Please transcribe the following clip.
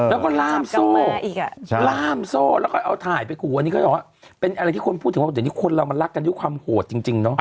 แล้วก็ล่ามโซ่ล่ามโซ่แล้วก็เอาถ่ายไปขู่อันนี้เขาจะบอกว่าเป็นอะไรที่คนพูดถึงว่าเดี๋ยวนี้คนเรามันรักกันด้วยความโหดจริงเนาะ